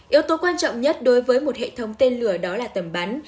yếu tố quan trọng nhất đối với một hệ thống tên lửa đó là tầm bắn